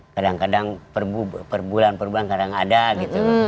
kadang kadang perbulan perbulan kadang ada gitu